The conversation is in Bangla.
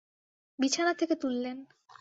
বিছানা থেকে তুললেন।